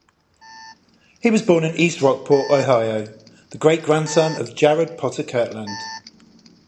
He was born in East Rockport, Ohio, the great-grandson of Jared Potter Kirtland.